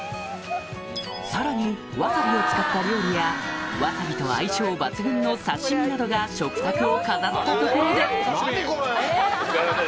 さらにワサビを使った料理やワサビと相性抜群の刺し身などが食卓を飾ったところで乾杯！